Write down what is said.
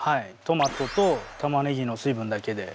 トマトと玉ねぎの水分だけで。